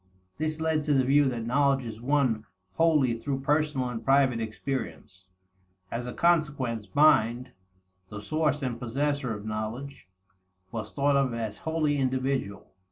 This led to the view that knowledge is won wholly through personal and private experiences. As a consequence, mind, the source and possessor of knowledge, was thought of as wholly individual.